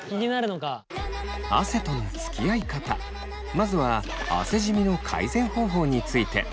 まずは汗じみの改善方法について。